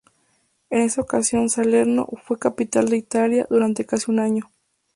En esa ocasión Salerno fue "Capital de Italia" durante casi un año.